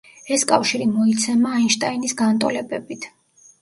ეს კავშირი მოიცემა აინშტაინის განტოლებებით.